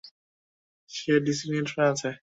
সে ডিসির নিয়ন্ত্রণে আছে।